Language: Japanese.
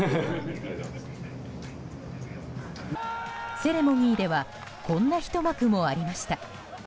セレモニーではこんなひと幕もありました。